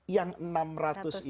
yang saya lakukan sendiri